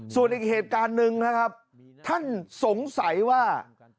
ส่วนอีกเหตุการณ์หนึ่งนะครับท่านสงสัยว่า